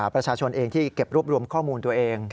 ประชาชนเองที่เก็บรวบรวมข้อมูลตัวเอง